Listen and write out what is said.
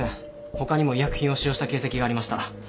他にも医薬品を使用した形跡がありました。